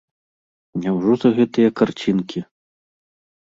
Няўжо за гэтыя карцінкі?